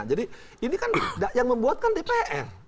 jadi ini kan yang membuatkan dpr